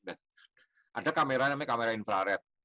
ada kamera namanya kamera infrared